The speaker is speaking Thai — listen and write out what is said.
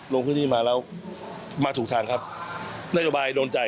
ลงพื้นที่มาแล้วมาถูกทางครับนโยบายโดนใจ